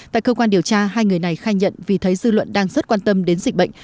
tại cơ quan điều tra hai người này khai nhận vì thấy dư luận đang rất quan tâm đến dịch bệnh